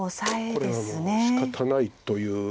これはしかたないという。